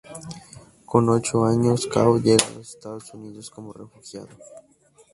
Con ocho años, Cao llega a los Estados Unidos como refugiado.